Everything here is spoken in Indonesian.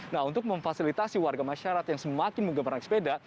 nah untuk memfasilitasi warga masyarakat yang semakin mengembarakan sepeda